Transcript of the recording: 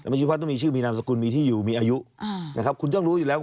มันต้องมีชื่อมีนามสคุลมีที่อยู่มีอายุ